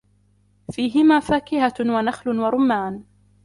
فيهِما فاكِهَةٌ وَنَخلٌ وَرُمّانٌ